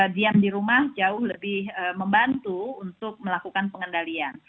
diam di rumah jauh lebih membantu untuk melakukan pengendalian